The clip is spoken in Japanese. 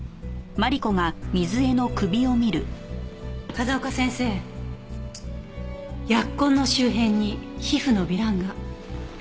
風丘先生扼痕の周辺に皮膚の糜爛が。